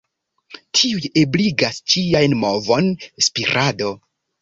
Tiuj ebligas ĝiajn movon, spirado.